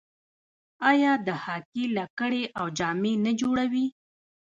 آیا د هاکي لکړې او جامې نه جوړوي؟